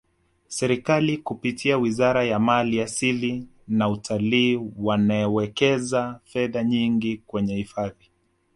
serikali kupitia wizara ya mali asili na utalii wanawekeza fedha nyingi kwenye hifadhi